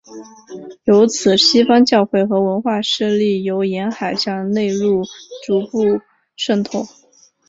由此西方教会和文化势力由沿海向内陆逐步渗透。